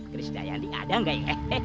keris daya yang diadang gak